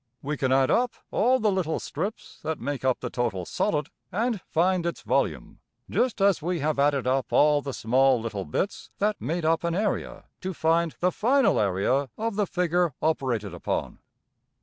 We can add up all the little strips that make up the total solid, and find its volume, just as we have added up all the small little bits that made up an area to find the final area of the figure operated upon.